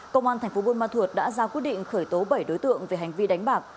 công an thành phố buôn ma thuột đã ra quyết định khởi tố bảy đối tượng về hành vi đánh bạc